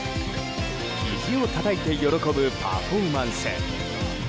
ひじをたたいて喜ぶパフォーマンス。